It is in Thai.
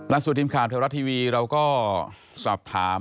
รับสู่ทีมข่าวเทวรัตน์ทีวีเราก็สอบถาม